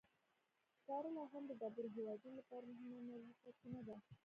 سکاره لا هم د ډېرو هېوادونو لپاره مهمه انرژي سرچینه ده.